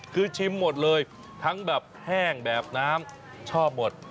คือชิมหมดเลยทั้งแบบแห้งแบบน้ำชอบหมด